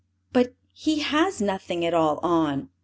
"But he has nothing at all on!"